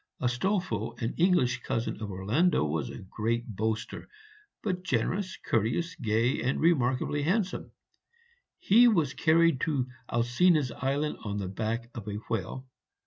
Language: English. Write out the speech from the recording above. Astolpho, an English cousin of Orlando, was a great boaster, but generous, courteous, gay, and remarkably handsome; he was carried to Alcina's island on the back of a whale.